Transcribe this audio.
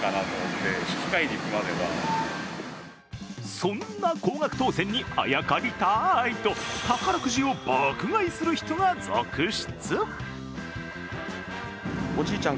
そんな高額当せんにあやかりたいと宝くじを爆買いする人が続出。